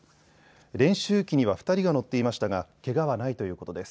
練習機には２人が乗っていましたがけがはないということです。